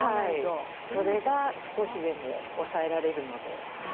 それが少しでも抑えられるので。